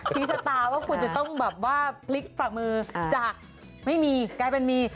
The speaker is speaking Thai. ชี้ชะตาว่าคุณจะต้องปลิ๊กฝากมือจากไม่มีกลายเป็นมี